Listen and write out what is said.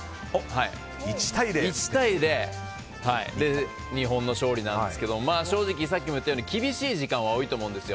１対０で日本の勝利ですが正直さっきも言ったように厳しい時間は多いと思うんです。